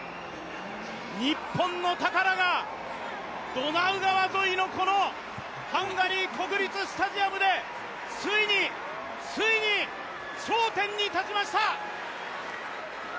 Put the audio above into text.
日本の宝がドナウ川沿いのこのハンガリー国立スタジアムでついに、ついに、頂点に立ちました！